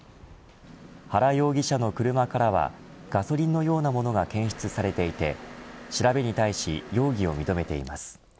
原容疑者の車からはガソリンのような物が検出されていて調べに対し容疑を認めています。